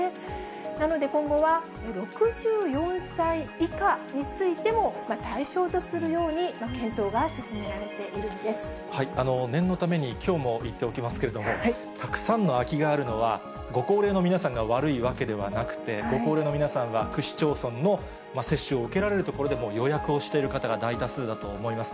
なので、今後は６４歳以下についても対象とするように検討が進められてい念のために、きょうも言っておきますけれども、たくさんの空きがあるのは、ご高齢の皆さんが悪いわけではなくて、ご高齢の皆さんは区市町村の接種を受けられるところで予約をしている方が大多数だと思います。